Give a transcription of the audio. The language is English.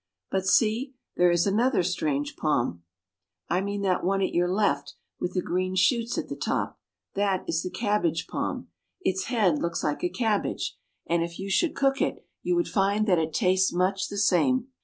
But see, there is another strange palm. I mean that one at your left, with the green shoots at the top. That is the cabbage palm. Its head looks like a cabbage, and if you Sago Palm. 26 ISTHMUS OF PANAMA. should cook it you would find that it tastes much the same.